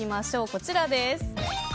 こちらです。